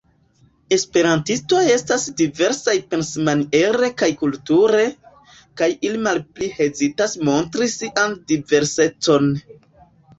Esperantistoj estas diversaj pensmaniere kaj kulture, kaj ili malpli hezitas montri sian diversecon.